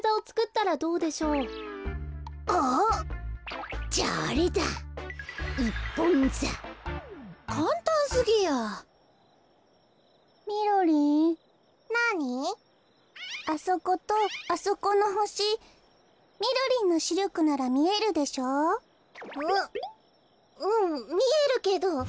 うんみえるけど。